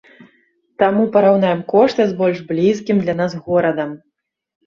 Таму параўнаем кошты з больш блізкім для нас горадам.